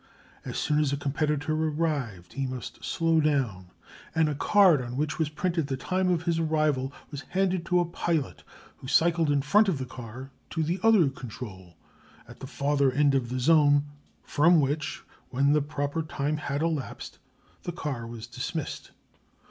As soon as a competitor arrived, he must slow down, and a card on which was written the time of his arrival was handed to a "pilot," who cycled in front of the car to the other "control" at the farther end of the zone, from which, when the proper time had elapsed, the car was dismissed.